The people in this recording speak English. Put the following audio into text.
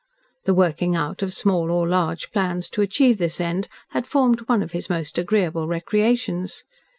The working out of small or large plans to achieve this end had formed one of his most agreeable recreations.